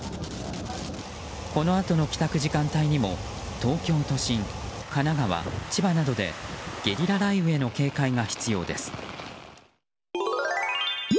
このあとの帰宅時間帯にも東京都心、神奈川、千葉などでゲリラ雷雨への警戒が必要です。